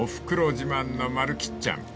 自慢のまるきっちゃん］